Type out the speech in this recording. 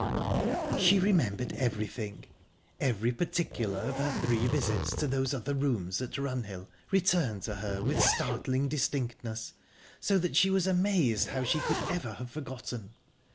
She remembered everything. Every particular of her three visits to those other rooms at Runhill returned to her with startling distinctness, so that she was amazed how she could ever have forgotten.